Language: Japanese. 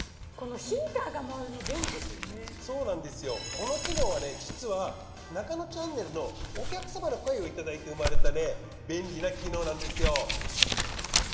この機能はね実は『ナカノチャンネル』のお客様の声をいただいて生まれた便利な機能なんですよ。